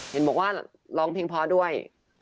เห็นบอกว่าร้องเพลงเพราะด้วย